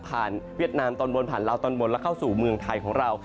เวียดนามตอนบนผ่านลาวตอนบนแล้วเข้าสู่เมืองไทยของเรา